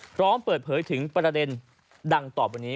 พร้อมเปิดเผยถึงประเด็นดังต่อไปนี้